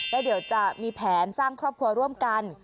แล้วเดี๋ยวจะมีแผนสร้างครอบครัวร่วมกัน